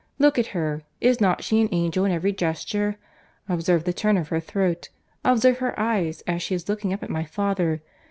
Look at her. Is not she an angel in every gesture? Observe the turn of her throat. Observe her eyes, as she is looking up at my father.